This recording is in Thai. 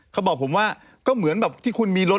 เขาบอกผมว่าก็เหมือนแบบที่คุณมีรถ